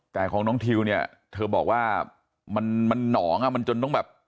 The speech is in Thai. แต่ของน้องทิวเนี่ยเธอบอกว่ามันหนองจนต้องแบบ